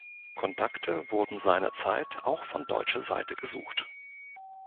Kontakte wurden seinerzeit auch von deutscher Seite gesucht.